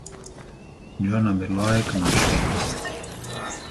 Džonam ir laika mašīna?